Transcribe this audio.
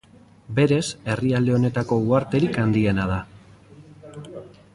Berez, herrialde honetako uharterik handiena da.